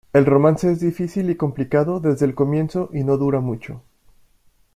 El romance es difícil y complicado desde el comienzo y no dura mucho.